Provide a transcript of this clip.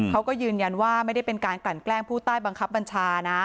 เขาก็ยืนยันว่าไม่ได้เป็นการกลั่นแกล้งผู้ใต้บังคับบัญชานะ